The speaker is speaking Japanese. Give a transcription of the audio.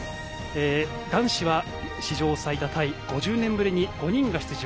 男子は、史上最多タイ５０年ぶりに５人が出場。